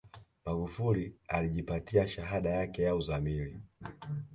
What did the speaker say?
magufuli alijipatia shahada yake ya uzamili